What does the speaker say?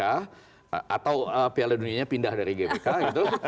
atau piala dunia pindah dari gbk gitu